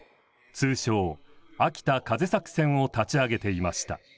通称秋田風作戦を立ち上げていました。